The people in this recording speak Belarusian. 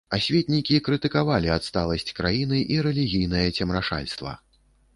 Асветнікі крытыкавалі адсталасць краіны і рэлігійнае цемрашальства.